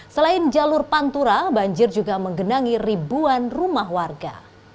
selain jalur pantura banjir juga menggenangi ribuan rumah warga